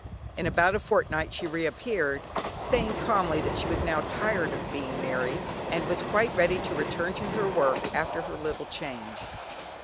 In about a fortnight she reappeared, saying calmly that she was now tired of being married, and was quite ready to return to her work after her little change.